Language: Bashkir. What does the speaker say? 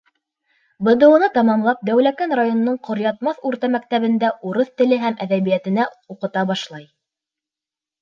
БДУ-ны тамамлап, Дәүләкән районының Ҡоръятмаҫ урта мәктәбендә урыҫ теле һәм әҙәбиәтенән уҡыта башлай.